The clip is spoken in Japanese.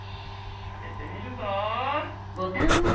はめてみるぞ。